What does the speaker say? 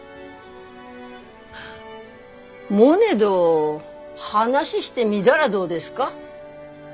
モネど話してみだらどうですか？